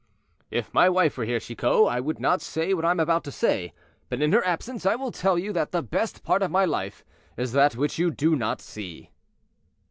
"If my wife were here, Chicot, I would not say what I am about to say, but in her absence I will tell you that the best part of my life is that which you do not see."